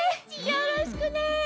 よろしくね！